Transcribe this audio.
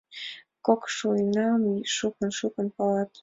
— Кокшуйскнам шукын-шукын палат.